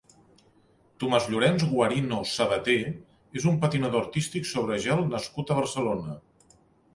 Tomàs Llorenç Guarino Sabaté és un patinador artístic sobre gel nascut a Barcelona.